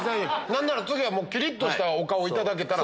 何なら次はキリっとしたお顔頂けたら。